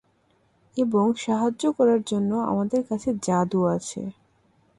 এবং সাহায্য করার জন্য আমাদের কাছে জাদু আছে।